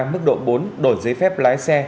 mức độ bốn đổi giấy phép lái xe